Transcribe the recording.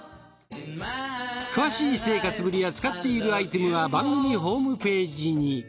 詳しい生活ぶりや使っているアイテムは番組ホームページに。